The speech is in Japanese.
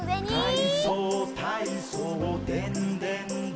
「かいそうたいそうでんでんだいこ」